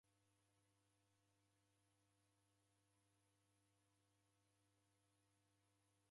Ghenda kushoo kitambara kwaza.